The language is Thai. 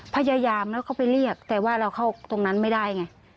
พยายามแล้วก็ไปเรียกแต่ว่าเราเข้าตรงนั้นไม่ได้ไง